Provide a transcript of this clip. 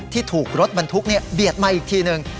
ที่ถูกรถบรรทุกเบียดมาอีกทีหนึ่ง